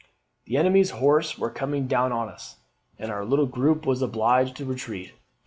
"The enemy's horse were coming down on us, and our little group was obliged to retreat.